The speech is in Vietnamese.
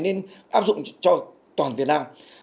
nên áp dụng cho toàn việt nam